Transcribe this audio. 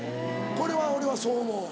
これは俺はそう思う。